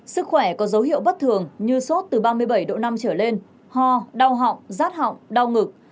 sức khỏe có dấu hiệu bất thường như sốt từ ba mươi bảy độ năm trở lên ho đau họng rát họng đau ngực